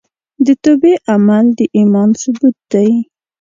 د توبې عمل د ایمان ثبوت دی.